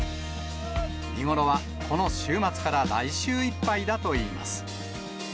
見頃はこの週末から来週いっぱいだといいます。